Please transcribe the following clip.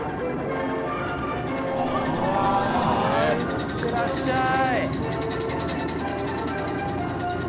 ・・いってらっしゃい。